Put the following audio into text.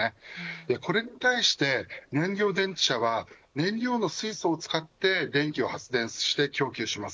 これに対して、燃料電池車は燃料の水素を使って電気を発電して供給します。